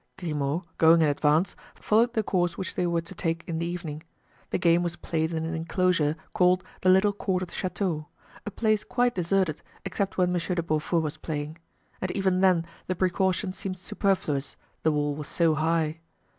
Grimaud, going in advance, followed the course which they were to take in the evening. The game was played in an inclosure called the little court of the chateau, a place quite deserted except when Monsieur de Beaufort was playing; and even then the precaution seemed superfluous, the wall was so high.